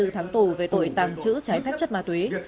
hai mươi tháng tù về tội tàng trữ trái phép chất ma túy